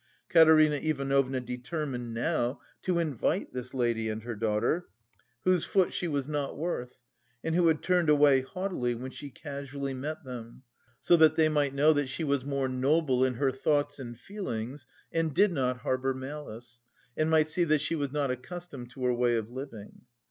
Katerina Ivanovna determined now to invite this lady and her daughter, "whose foot she was not worth," and who had turned away haughtily when she casually met them, so that they might know that "she was more noble in her thoughts and feelings and did not harbour malice," and might see that she was not accustomed to her way of living.